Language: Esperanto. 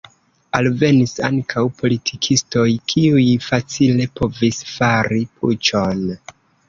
Alvenis ankaŭ politikistoj, kiuj facile povis fari puĉon.